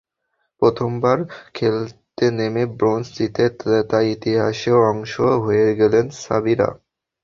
প্রথমবার খেলতে নেমে ব্রোঞ্জ জিতে তাই ইতিহাসেরও অংশ হয়ে গেলেন সাবিরা।